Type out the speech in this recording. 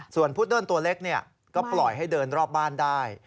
ส่วนพุดเดิ้ลตัวเล็กก็ปล่อยให้เดินรอบบ้านได้